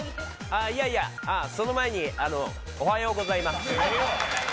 いやいや、その前におはようございます。